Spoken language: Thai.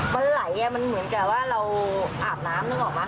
มันไหลมันเหมือนกับว่าเราอาบน้ำนึกออกไหม